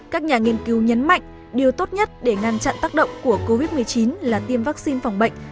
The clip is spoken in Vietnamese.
các nhà nghiên cứu nhấn mạnh điều tốt nhất để ngăn chặn tác động của covid một mươi chín là tiêm vaccine phòng bệnh